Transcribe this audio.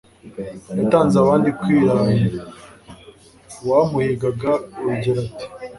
yatanze abandi kwirahira; uwamuhigaga urugero ati: